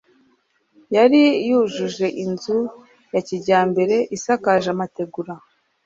yari yujuje inzu ya kijyambere isakaje amategura